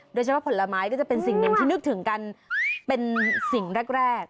โดยเฉพาะผลไม้ก็จะเป็นสิ่งหนึ่งที่นึกถึงกันเป็นสิ่งแรก